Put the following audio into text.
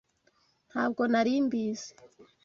Ntabwo nari mbizi.